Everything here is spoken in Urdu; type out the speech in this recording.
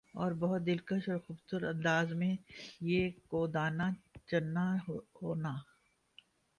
اور بَہُت دلکش اورخوبصورت انداز میں مَیں یِہ کو دانہ چننا ہونا